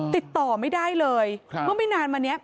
ติดต่อไม่ได้เลยเมื่อไม่นานมานี้